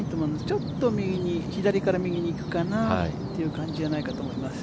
ちょっと左から右にいくかなという感じじゃないかなと思います。